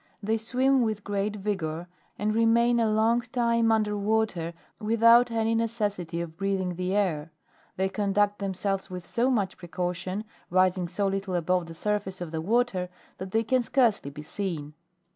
They swim with great vigor, and remain a long time under water with out any necessity of breathing the air ; they conduct themselves with so much precaution, rising so little above the surface of the water, that they can scarcely be seen.